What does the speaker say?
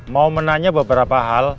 mau menanya beberapa hal